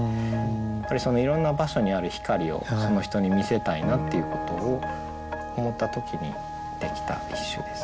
やっぱりいろんな場所にある光をその人に見せたいなっていうことを思った時にできた一首ですね。